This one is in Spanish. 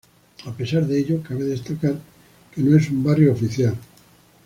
A pesar de ello, cabe destacar que no es un barrio oficial.